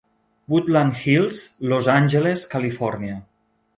Woodland Hills, Los Angeles, Califòrnia.